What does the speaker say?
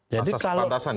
masa kepantasan ya